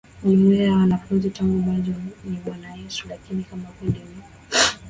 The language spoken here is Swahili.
jumuiya ya wanafunzi tangu mwanzo ni Bwana Yesu Lakini kama kundi ni